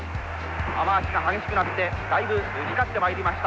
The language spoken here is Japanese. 雨足が激しくなってだいぶぬかずってまいりました